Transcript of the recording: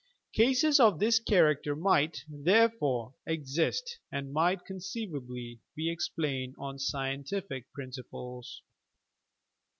Cases of this character might, therefore, exist, and might conceivably be ex plained on scientific principles.